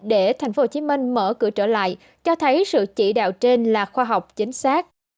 để tp hcm mở cửa trở lại cho thấy sự chỉ đạo trên là khoa học chính xác